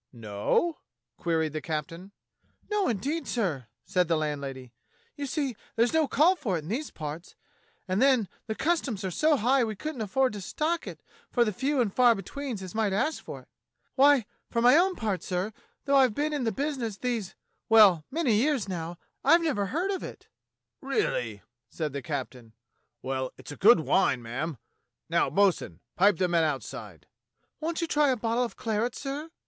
"No?" queried the captain. "No, indeed, sir," said the landlady. "You see there's no call for it in these parts. And then the customs are so high we couldn't afford to stock it for the few and far betweens as might ask for it. Why, for my own part, sir, though I've been in the business these — well, many years now, I've never even heard of it." A BOTTLE OF ALSACE LORRAINE 37 Really !" said the captain. " Well, it's a good wine, ma'am. Now, bo'sun, pipe the men outside." "Won't you try a bottle of claret, sir?"